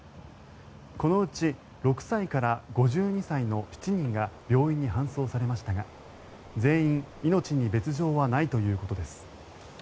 このうち６歳から５２歳の７人が病院に搬送されましたが、全員命に別条はないということです。